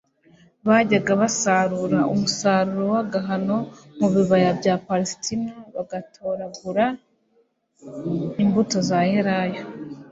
Bajyaga basarura umusaruro w'agahano mu bibaya bya Palestina bagatoragura imbuto za elayo